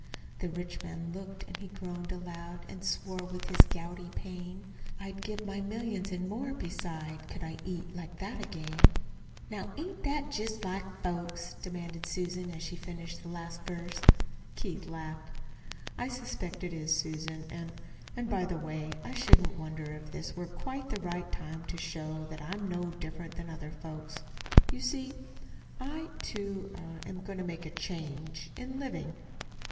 The rich man looked, an' he groaned aloud, An' swore with his gouty pain. "I'd give my millions, an' more beside, Could I eat like that again!" "Now, ain't that jest like folks?" Susan demanded, as she finished the last verse. Keith laughed. "I suspect it is, Susan. And and, by the way, I shouldn't wonder if this were quite the right time to show that I'm no different from other folks. You see, I, too, er am going to make a change in living."